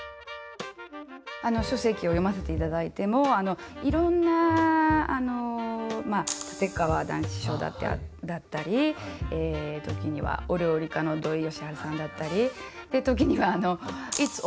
書籍を読ませていただいてもいろんな立川談志師匠だったり時にはお料理家の土井善晴さんだったり時には「Ｉｔ’ｓａｕｔｏｍａｔｉｃ」